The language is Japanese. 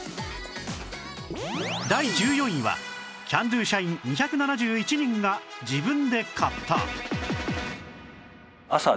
第１４位はキャンドゥ社員２７１人が自分で買った